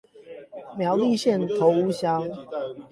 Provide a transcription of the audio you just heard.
苗栗縣頭屋鄉